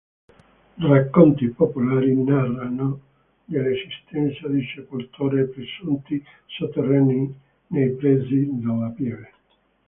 Racconti popolari narrano dell'esistenza di sepolture e presunti sotterranei nei pressi della pieve.